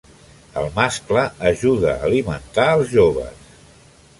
El mascle ajuda a alimentar els joves.